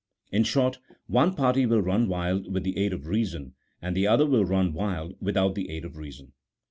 In short, one party will run wild with the aid of reason, and the other will run wild without the aid of reason.